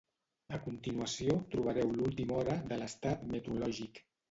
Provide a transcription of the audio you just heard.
A continuació trobareu l’última hora de l’estat metrològic.